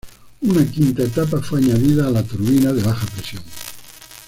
Una quinta etapa fue añadida a la turbina de baja presión.